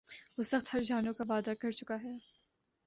وہ سخت ہرجانوں کا وعدہ کر چُکا ہے